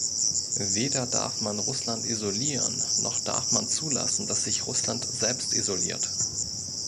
Weder darf man Russland isolieren, noch darf man zulassen, dass sich Russland selbst isoliert.